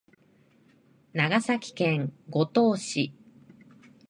長崎県五島市